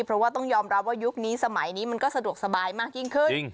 เพราะว่าต้องยอมรับว่ายุคนี้สมัยนี้มันก็สะดวกสบายมากยิ่งขึ้น